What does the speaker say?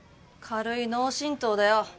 軽い脳しんとうだよ